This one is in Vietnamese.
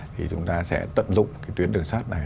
thì chúng ta sẽ tận dụng cái tuyến đường sắt này